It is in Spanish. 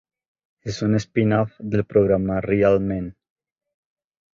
Es un spin-off del programa Real Men.